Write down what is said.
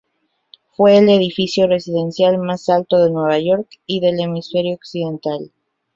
Fue el edificio residencial más alto de Nueva York y del hemisferio occidental.